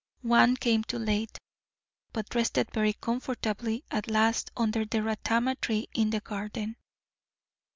One came too late, but rested very comfortably, at last, under a ratama tree in the garden.